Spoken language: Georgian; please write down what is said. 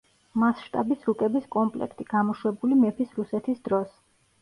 მასშტაბის რუკების კომპლექტი, გამოშვებული მეფის რუსეთის დროს.